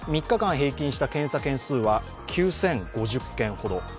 ３日間平均した検査件数は９０５０件ほど。